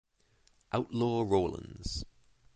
Outlaw Rawlins.